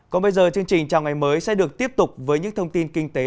còn bây giờ chương trình chào ngày mới sẽ được tiếp tục với những thông tin kinh tế